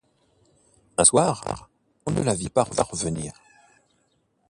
Un soir, on ne la vit pas revenir.